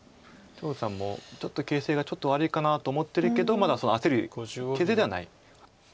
張栩さんも形勢がちょっと悪いかなと思ってるけどまだ焦る形勢ではない。